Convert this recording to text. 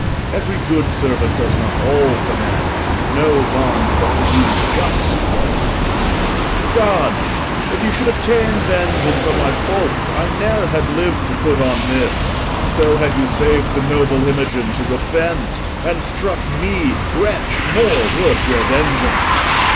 Every good servant does not all commands; No bond but to do just ones. Gods! if you Should have ta'en vengeance on my faults, I never Had liv'd to put on this; so had you saved The noble Imogen to repent, and struck Me, wretch more worth your vengeance.